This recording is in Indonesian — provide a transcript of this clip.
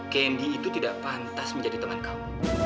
kendi itu tidak pantas menjadi teman kamu